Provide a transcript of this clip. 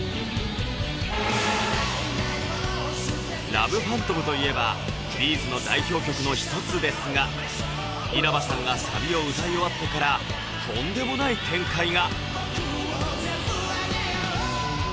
「ＬＯＶＥＰＨＡＮＴＯＭ」といえば「Ｂ’ｚ」の代表曲の一つですが稲葉さんがサビを歌い終わってからとんでもない展開が！